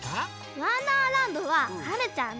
「わんだーらんど」ははるちゃんね！